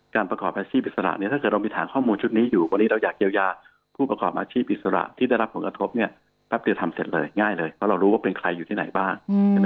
ประกอบอาชีพอิสระเนี่ยถ้าเกิดเรามีฐานข้อมูลชุดนี้อยู่วันนี้เราอยากเยียวยาผู้ประกอบอาชีพอิสระที่ได้รับผลกระทบเนี่ยแป๊บเดียวทำเสร็จเลยง่ายเลยเพราะเรารู้ว่าเป็นใครอยู่ที่ไหนบ้าง